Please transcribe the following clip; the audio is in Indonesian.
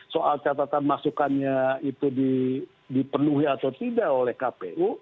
soal catatan masukannya itu dipenuhi atau tidak oleh kpu